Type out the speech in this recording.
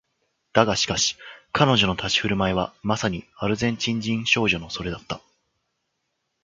だがしかし彼女の立ち居振る舞いはまさにアルゼンチン人少女のそれだった